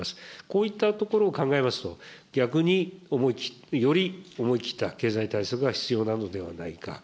こういったところを考えますと、逆に、より思い切った経済対策が必要なのではないか。